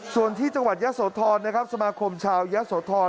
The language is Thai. ส่วนที่จังหวัดยะโสธรนะครับสมาคมชาวยะโสธร